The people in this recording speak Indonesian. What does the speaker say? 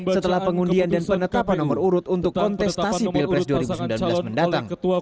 setelah pengundian dan penetapan nomor urut untuk kontestasi pilpres dua ribu sembilan belas mendatang